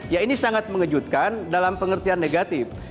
ya ini sangat mengejutkan dalam pengertian negatif